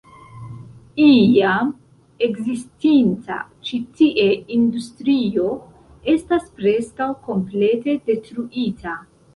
Iam ekzistinta ĉi tie industrio estas preskaŭ komplete detruita.